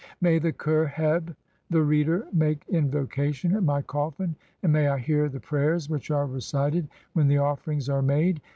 May the Kher heb (/. e., the Reader) 3 "make invocation at [my] coffin, and may I hear the prayers "which are recited [when] the offerings [are made].